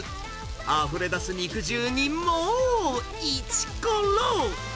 あふれ出す肉汁にもう、いちころ。